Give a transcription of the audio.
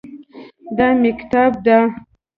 دا مېکتاب ده